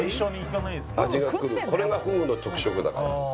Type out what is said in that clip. これがフグの特色だから。